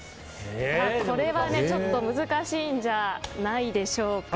これはちょっと難しいんじゃないでしょうか。